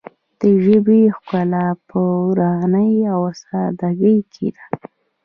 د ژبې ښکلا په روانۍ او ساده ګۍ کې ده.